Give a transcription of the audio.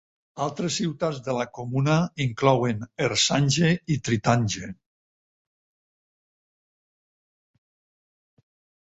Altres ciutats de la comuna inclouen Ersange i Trintange.